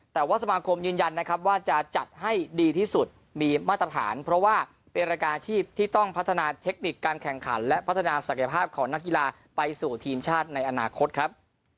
แต่ว่าสมาคมยืนยันนะครับว่าจะจัดให้ดีที่สุดมีมาตรฐานเพราะว่าเป็นรายการอาชีพที่ต้องพัฒนาเทคนิคการแข่งขันและพัฒนาศักยภาพของนักกีฬาไปสู่ทีมชาติในอนาคตครับ